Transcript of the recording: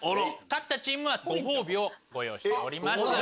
勝ったチームにはご褒美をご用意しております。